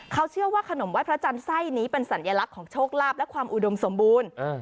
เขาเชื่อว่าขนมไห้พระจันทร์ไส้นี้เป็นสัญลักษณ์ของโชคลาภและความอุดมสมบูรณ์